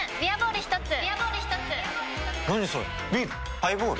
ハイボール？